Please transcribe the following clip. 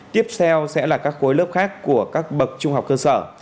tiếp theo sẽ là các khối lớp khác của các bậc trung học cơ sở